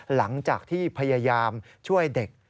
หลังจากที่พยายามช่วยเด็ก